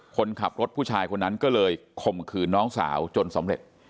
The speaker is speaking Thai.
คนขับรถผู้ชายคนนั้นก็เลยข่มขืนน้องสาวจนสำเร็จ